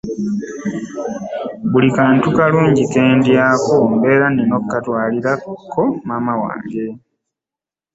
Buli kantu akalungi ke ndayko mbeera nnina okukatwalirako maama wange.